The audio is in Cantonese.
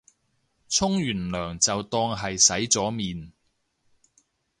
沖完涼就當係洗咗面